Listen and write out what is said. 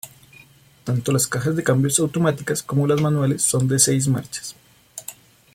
Tanto las cajas de cambios automáticas como las manuales son de seis marchas.